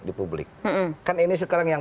di publik kan ini sekarang yang